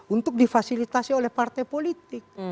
untuk difasilitasi oleh partai politik